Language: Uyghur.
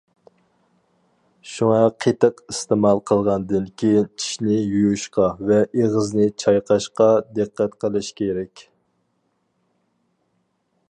شۇڭا قېتىق ئىستېمال قىلغاندىن كېيىن، چىشنى يۇيۇشقا ۋە ئېغىزنى چايقاشقا دىققەت قىلىش كېرەك.